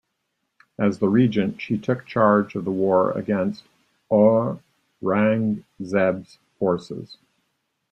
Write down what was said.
As the regent, she took charge of the war against Aurangzeb's forces.